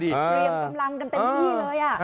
เตรียมกำลังกันเต็มที่เลย